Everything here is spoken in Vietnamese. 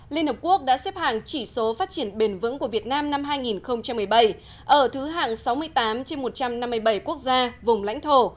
liên hợp quốc đã xếp hạng chỉ số phát triển bền vững của việt nam năm hai nghìn một mươi bảy ở thứ hạng sáu mươi tám trên một trăm năm mươi bảy quốc gia vùng lãnh thổ